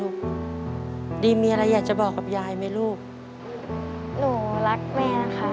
อเรนนี่ต้องมีวัคซีนตัวหนึ่งเพื่อที่จะช่วยดูแลพวกม้ามและก็ระบบในร่างกาย